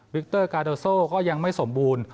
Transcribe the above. วิกเตอร์กาโดโซก็ยังไม่สมบูรณ์